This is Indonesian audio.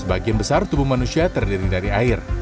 sebagian besar tubuh manusia terdiri dari air